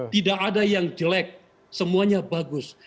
tidak ada yang jelek semuanya bagus